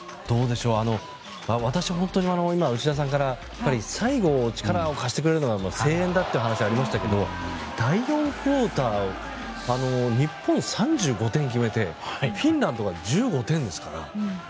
内田さんから最後、力を貸してくれるのが声援だという話がありましたけど第４クオーターで日本、３５点を決めてフィンランドが１５点ですから。